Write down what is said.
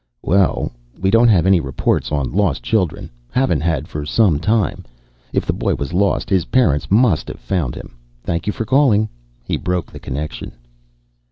"Well, we don't have any reports on lost children. Haven't had for some time. If the boy was lost his parents must have found him. Thank you for calling." He broke the connection.